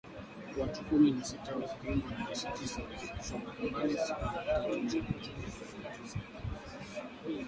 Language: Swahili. Watu kumi na sita wakiwemo wanajeshi tisa walifikishwa mahakamani siku ya Jumatatu nchini Jamuhuri ya Kidemokrasia ya Kongo